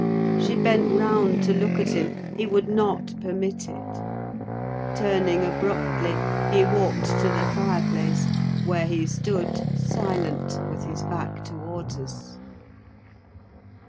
She bent round to look at him; he would not permit it: turning abruptly, he walked to the fireplace, where he stood, silent, with his back towards us.